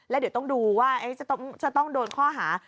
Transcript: แล้วเดี๋ยวต้องดูว่าจะต้องโดนข้อหา